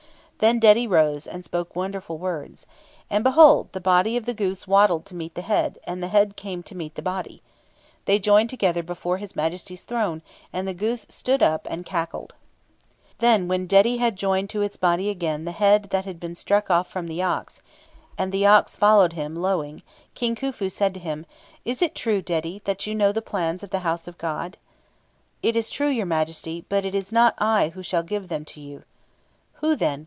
Then Dedi rose, and spoke wonderful words. And, behold! the body of the goose waddled to meet the head, and the head came to meet the body. They joined together before his Majesty's throne, and the goose stood up and cackled (Plate 8). Then, when Dedi had joined to its body again the head that had been struck off from an ox, and the ox followed him lowing, King Khufu said to him, "Is it true, O Dedi, that you know the plans of the house of God?" "It is true, your Majesty; but it is not I who shall give them to you." "Who, then?"